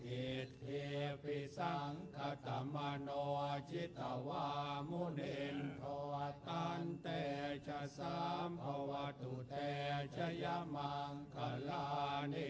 อิทธิพีสังค์กะตะมาโนชิตวามุนินต์ทวตันเตชสัมปวตุเตชยะมังกะลานิ